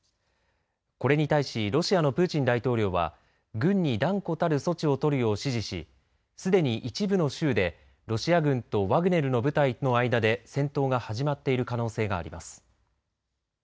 これに対しロシアのプーチン大統領は軍に断固たる措置を取るよう指示しすでに一部の州でロシア軍とワグネルの部隊の間で戦闘が始まっている可能性があります。